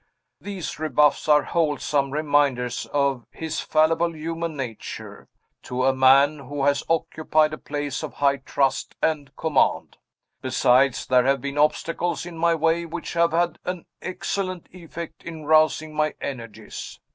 These rebuffs are wholesome reminders of his fallible human nature, to a man who has occupied a place of high trust and command. Besides, there have been obstacles in my way which have had an excellent effect in rousing my energies.